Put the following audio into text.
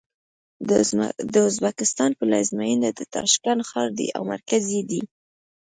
د ازبکستان پلازمېنه د تاشکند ښار دی او مرکز یې دی.